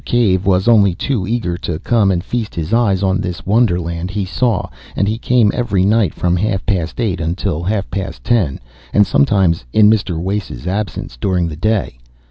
Cave was only too eager to come and feast his eyes on this wonderland he saw, and he came every night from half past eight until half past ten, and sometimes, in Mr. Wace's absence, during the day.